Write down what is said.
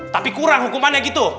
tapi kurang hukumannya gitu